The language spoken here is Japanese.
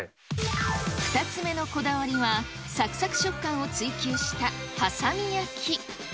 ２つ目のこだわりは、さくさく食感を追求した挟み焼き。